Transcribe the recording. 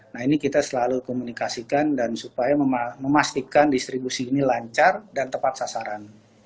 nah ini kita selalu komunikasikan dan supaya memastikan distribusi ini lancar dan tepat sasaran